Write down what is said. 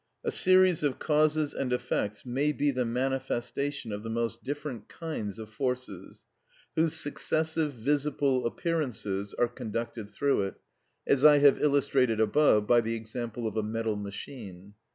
A series of causes and effects may be the manifestation of the most different kinds of forces, whose successive visible appearances are conducted through it, as I have illustrated above by the example of a metal machine.